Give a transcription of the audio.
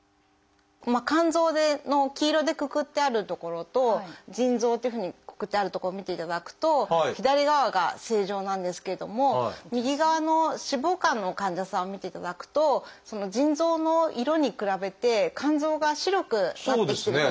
肝臓の黄色でくくってある所と腎臓っていうふうにくくってある所を見ていただくと左側が正常なんですけれども右側の脂肪肝の患者さんを見ていただくと腎臓の色に比べて肝臓が白くなってきてると思うんですけども。